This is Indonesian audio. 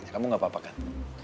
ya kamu gak apa apa kan